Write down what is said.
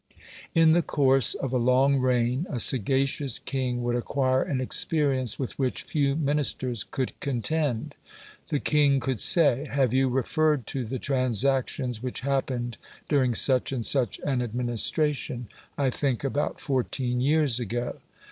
In the course of a long reign a sagacious king would acquire an experience with which few Ministers could contend. The king could say: "Have you referred to the transactions which happened during such and such an administration, I think about fourteen years ago?